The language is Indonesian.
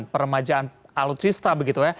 permajaan alutsista begitu ya